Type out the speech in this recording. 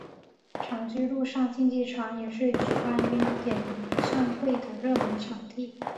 长居陆上竞技场也是举办演唱会的热门场地。